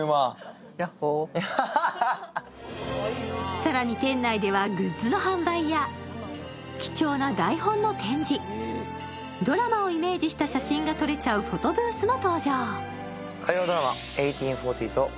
更に店内ではグッズの販売や、貴重な台本の展示、ドラマをイメージした写真が撮れちゃうフォトブースも登場。